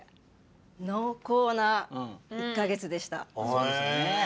そうですよね。